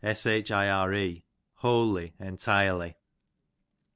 Shire, wholly, entirely.